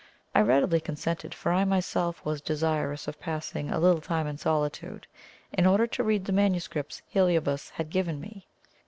I readily consented, for I myself was desirous of passing a little time in solitude, in order to read the manuscripts Heliobas had given me.